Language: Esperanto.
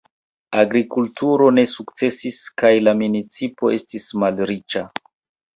Agrikulturo ne sukcesis kaj la municipo estis malriĉa.